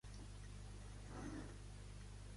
Com va rebre Don Eudald al protagonista?